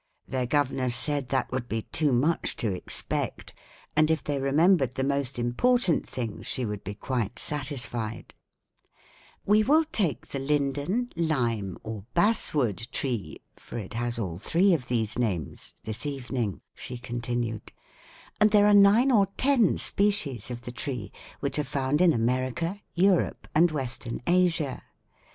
Their governess said that would be too much to expect, and if they remembered the most important things she would be quite satisfied, "We will take the linden, lime, or basswood, tree for it has all three of these names this evening," she continued, "and there are nine or ten species of the tree, which are found in America, Europe and Western Asia.